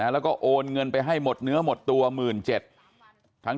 แล้วก็โอนเงินไปให้หมดเนื้อหมดตัว๑๗๐๐บาท